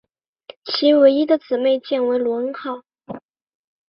其唯一的姊妹舰为罗恩号。